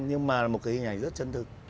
nhưng mà là một cái hình ảnh rất chân thực